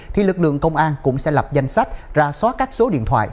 thì lực lượng công an cũng sẽ lập danh sách ra soát các số điện thoại